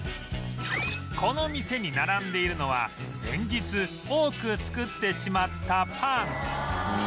この店に並んでいるのは前日多く作ってしまったパン